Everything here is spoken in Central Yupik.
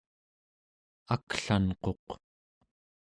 aklanquq